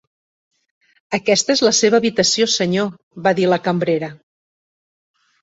"Aquesta és la seva habitació, senyor", va dir la cambrera.